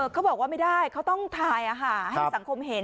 เขาบอกว่าไม่ได้เขาต้องถ่ายให้สังคมเห็น